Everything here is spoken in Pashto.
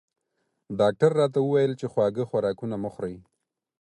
ډاکټر راته وویل چې خواږه خوراکونه مه خورئ